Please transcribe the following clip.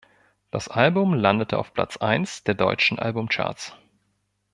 Das Album landete auf Platz eins der deutschen Albumcharts.